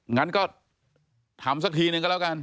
งั้นก็ทำสักทีนึงก็แล้วกัน